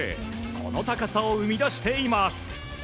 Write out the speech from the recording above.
この高さを生み出しています。